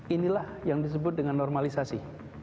inilah yang disebut dengan normalisasi